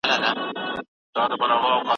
ایا استاد د مقالي برخې ګوري؟